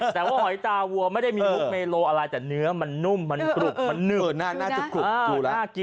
แต่ว่าหอยตาวัวไม่ได้มุกเมโลอะไรแต่เนื้อมันนุ่มมันกรุบมันนึก